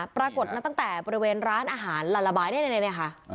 ปรากฏมาตั้งแต่บริเวณร้านอาหารลาระบายเนี่ยค่ะ